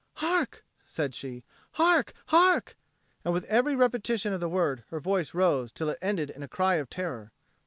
"Hark!" said she. "Hark! hark!" and with every repetition of the word her voice rose till it ended in a cry of terror.